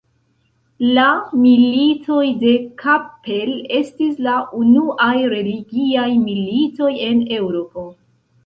La Militoj de Kappel estis la unuaj religiaj militoj en Eŭropo.